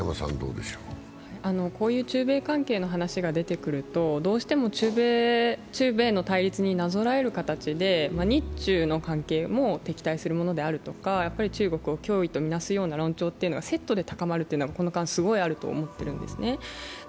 こういう中米関係の話が出てくると、どうしても中米の対立になぞらえる形で日中の関係も敵対するものであるとか、中国を脅威と見なすという論調がセットでこの間すごくあると思っているんですね。